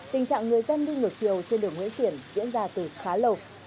tình trạng người dân đi ngược chiều trên đường nguyễn xiển diễn ra từ khá lâu